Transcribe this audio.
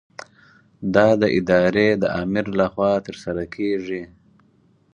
دا د ادارې د آمر له خوا ترسره کیږي.